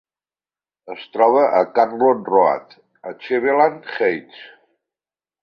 Es troba a Carlton Road, a Cleveland Heights.